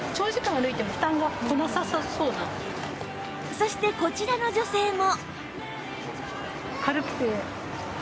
そしてこちらの女性も